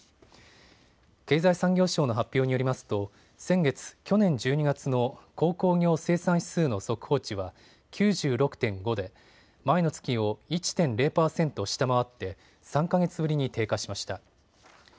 経済産業省の発表によりますと先月、去年１２月の鉱工業生産指数の速報値は９６．５で前の月を１．０％下回って３か月ぶりに低下しました。